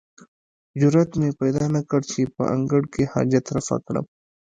جرئت مې پیدا نه کړ چې په انګړ کې حاجت رفع کړم.